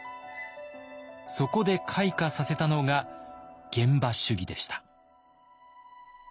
そこで開花させたのが現場主義でした。